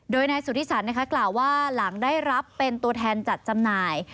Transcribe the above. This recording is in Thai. โดยนายสุธิสันนะคะกล่าวว่าหลังได้รับเป็นตัวแทนจัดจำหน่าย